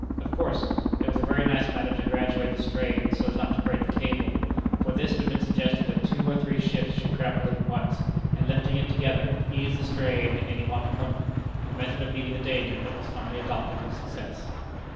Of course, it was a very nice matter to graduate the strain so as not to break the cable. For this it had been suggested that two or three ships should grapple it at once, and lifting it together, ease the strain on any one point a method of meeting the danger that was finally adopted with success.